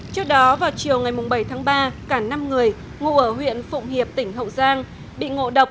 trước đó vào chiều ngày bảy tháng ba cả năm người ngủ ở huyện phụng hiệp tỉnh hậu giang bị ngộ độc